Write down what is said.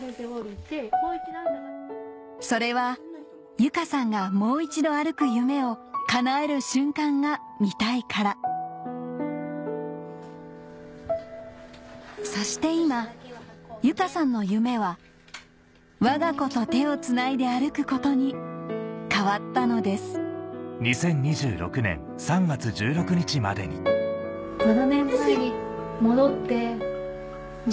それは由佳さんがもう一度歩く夢をかなえる瞬間が見たいからそして今由佳さんの夢はわが子と手をつないで歩くことに変わったのですですね私。